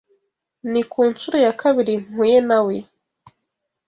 Ni ku nshuro ya kabiri mpuye na we.